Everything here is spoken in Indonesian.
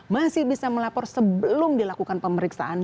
masih bisa melapor sebelum dilakukan pemeriksaan